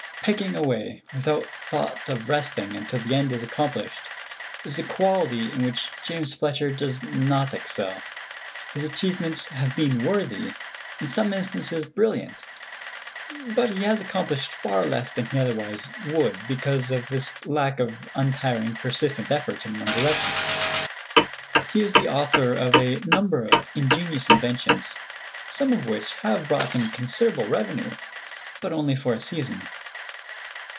"Pegging away," without thought of resting until the end is accomplished, is a quality in which James Fletcher does not excel. His achievements have been worthy, in some instances brilliant; but he has accomplished far less than he otherwise would because of this lack of untiring, persistent effort in one direction. He is the author of a number of ingenious inventions, some of which have brought him considerable revenue, but only for a season.